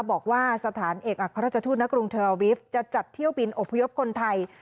บอกว่าสถานเอกอัครราชทูตณกรุงเทอร์วิฟต์จะจัดเที่ยวบินอพยพคนไทย